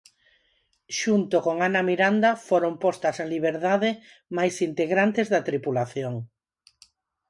Xunto con Ana Miranda foron postas en liberdade máis integrantes da tripulación.